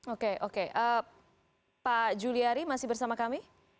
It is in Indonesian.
oke oke pak juliari masih bersama kami